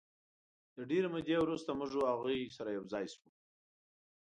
د ډېرې مودې وروسته موږ او هغوی یو ځای شوو.